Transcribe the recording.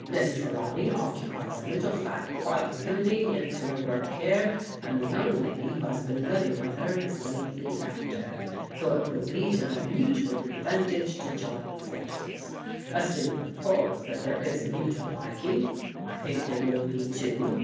" Miss Trelawney occupies a littie flat quite convenient to her work here, and the young lady who has been living with her has lately left her, so it will be to their mutual advantage to join forces, assuming, of course, that there is a mutual liking — I think there will be, too.